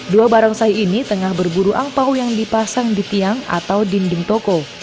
dua barongsai ini tengah berburu angpau yang dipasang di tiang atau dinding toko